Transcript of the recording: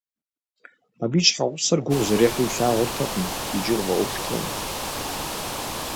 Абы и щхьэгъусэр гугъу зэрехьыр илъагъуртэкъым икӏи къыфӏэӏуэхутэкъым.